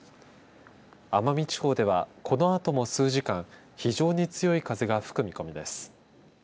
奄美地方ではこのあとも数時間非常に強い風が吹く見込みです。